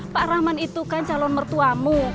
pak rahman itu kan calon mertuamu